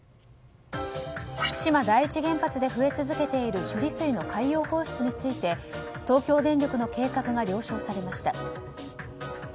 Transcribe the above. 福島第一原発で増え続けている処理水の海洋放出について東京電力の計画が了承されました。